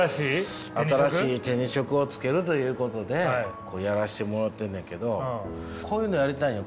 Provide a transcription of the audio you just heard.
新しい手に職をつけるということでやらしてもろうてんねんけどこういうのやりたいんよ。